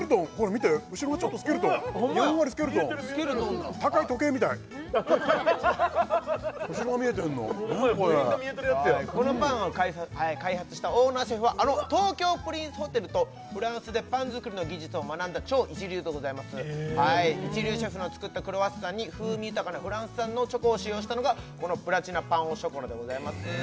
見て後ろがちょっとスケルトンやんわりスケルトン高い時計みたい後ろが見えてんのホンマやユニット見えてるやつやこのパンを開発したオーナーシェフはあの東京プリンスホテルとフランスでパン作りの技術を学んだ超一流でございますえっ一流シェフの作ったクロワッサンに風味豊かなフランス産のチョコを使用したのがこのプラチナパン・オ・ショコラでございます